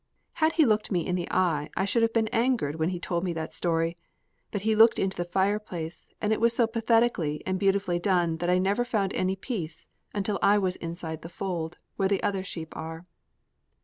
Had he looked me in the eye, I should have been angered when he told me that story; but he looked into the fireplace, and it was so pathetically and beautifully done that I never found any peace until I was inside the fold, where the other sheep are.